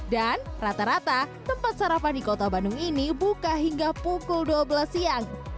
dan rata rata tempat sarapan di kota bandung ini buka hingga pukul dua belas siang